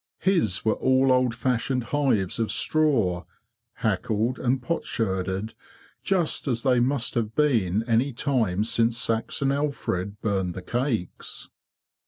His were all old fashioned hives of straw, backled and potsherded just as they must have been any time since Saxon Alfred burned the cakes.